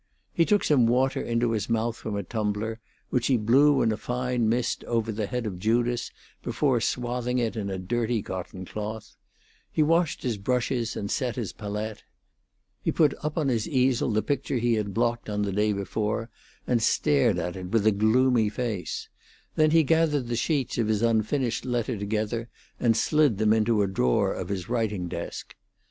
He took some water into his mouth from a tumbler, which he blew in a fine mist over the head of Judas before swathing it in a dirty cotton cloth; he washed his brushes and set his palette; he put up on his easel the picture he had blocked on the day before, and stared at it with a gloomy face; then he gathered the sheets of his unfinished letter together and slid them into a drawer of his writing desk.